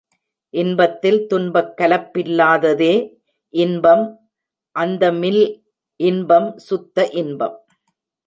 இன்பத்தில் துன்பக் கலப்பில்லாததே இன்பம் அந்தமில் இன்பம் சுத்த இன்பம்.